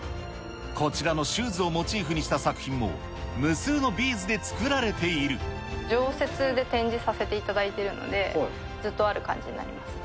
こちらのシューズをモチーフにした作品も、常設で展示させていただいてるので、ずっとある感じになりますね。